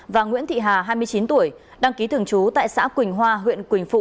và nguyễn thị hà hai mươi chín tuổi đăng ký thường trú tại xã quỳnh hoa huyện quỳnh phụ